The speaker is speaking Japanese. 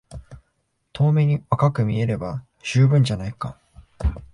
遠目に若く見えれば充分じゃないか。